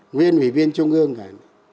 nguyên ủy viên trung ương cả